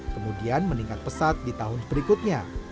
kemudian meningkat pesat di tahun berikutnya